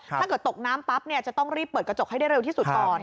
ถ้าเกิดตกน้ำปั๊บจะต้องรีบเปิดกระจกให้ได้เร็วที่สุดก่อน